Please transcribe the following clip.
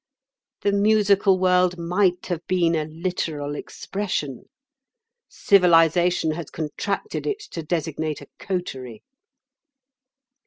The musical world might have been a literal expression. Civilisation has contracted it to designate a coterie."